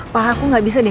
pak aku gak bisa deh